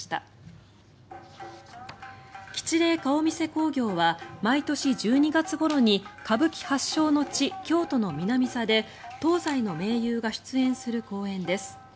興行は毎年１２月ごろに歌舞伎発祥の地、京都の南座で東西の名優が出演する公演です。